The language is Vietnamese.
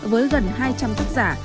với gần hai trăm linh tác giả